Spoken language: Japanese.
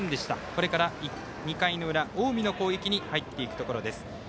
これから２回の裏、近江の攻撃に入っていくところです。